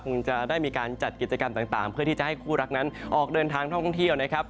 คงจะได้มีการจัดกิจกรรมต่างเพื่อที่จะให้คู่รักนั้นออกเดินทางท่องเที่ยวนะครับ